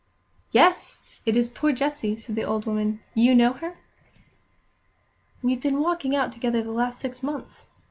"Yes, it is poor Jessie," said the old woman. "You know her?" "We've been walking out together the last six months.